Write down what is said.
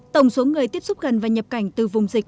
tổng số người tiếp xúc gần và nhập cảnh từ vùng dịch